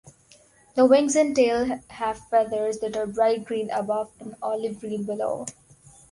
The wings and tail have feathers that are bright green above and olive-green below.